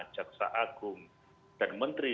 jaksa agung dan menteri